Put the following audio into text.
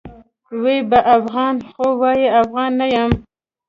وي به افغان؛ خو وايي افغان نه یمه